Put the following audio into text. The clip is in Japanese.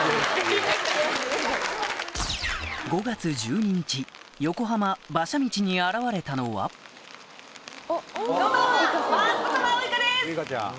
５月１２日横浜・馬車道に現れたのはこんばんは！